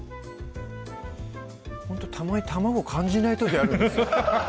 ほんとたまに卵感じない時あるんですよ